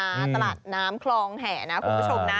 ตลาดน้ำคลองแห่นะคุณผู้ชมนะ